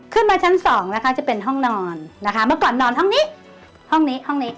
ขึ้นมาชั้นสองนะคะจะเป็นห้องนอนนะคะเมื่อก่อนนอนห้องนี้ห้องนี้ห้องนี้